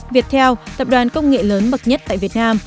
việt theo tập đoàn công nghệ lớn bậc nhất tại việt nam